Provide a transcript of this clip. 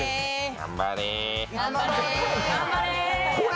頑張れ。